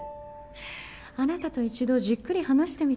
あなたと一度じっくり話してみたくて。